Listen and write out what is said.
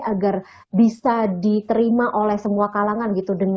agar bisa diterima oleh semua kalangan gitu